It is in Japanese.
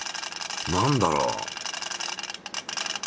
何だろう？